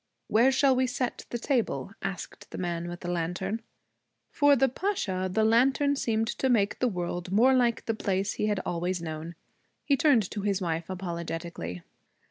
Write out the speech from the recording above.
'Where shall we set the table?' asked the man with the lantern. For the Pasha the lantern seemed to make the world more like the place he had always known. He turned to his wife apologetically.